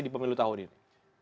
di pemilu tahun ini